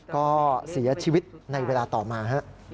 ก็เสียชีวิตในเวลาต่อมา